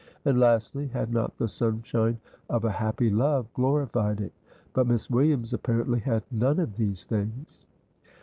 and, lastly, had not the sunshine of a happy love glorified it? But Miss Williams apparently had none of these things.